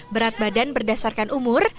berat badan berdasarkan umur